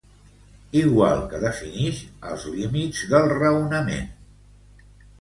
Igual que definix els límits del raonament.